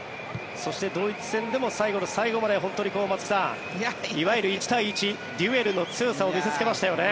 そしてドイツ戦でも最後の最後まで本当に松木さんいわゆる１対１デュエルの強さを見せつけましたよね。